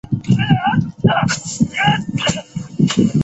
院名又著名学者袁行霈题写。